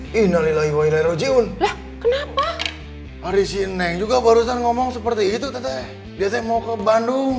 kenapa hari sineng juga barusan ngomong seperti itu teteh biasanya mau ke bandung